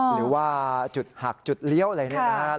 หรือว่าจุดหักจุดเลี้ยวอะไรอย่างนี้นะฮะ